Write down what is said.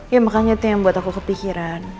ya makanya itu yang membuat aku kepikiran